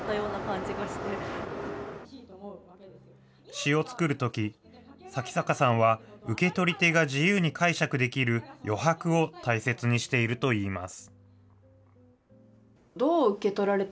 詩を作るとき、向坂さんは、受け取り手が自由に解釈できる余白を大切にしているといいます。